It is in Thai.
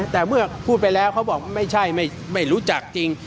แต่เมื่อพูดไปแล้วเขาบอกไม่ใช่ไม่รู้จักจริง